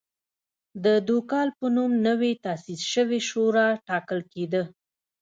د دوکال په نوم نوې تاسیس شوې شورا ټاکل کېده.